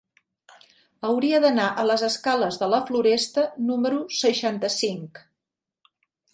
Hauria d'anar a les escales de la Floresta número seixanta-cinc.